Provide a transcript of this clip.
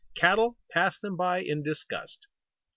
Cattle pass them by in disgust.